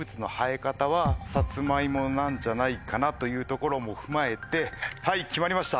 なんじゃないかなというところも踏まえてはい決まりました。